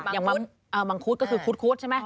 อย่างมังคุดก็คือคุดใช่ไหม